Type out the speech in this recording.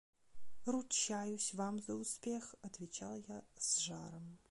– Ручаюсь вам за успех, – отвечал я с жаром.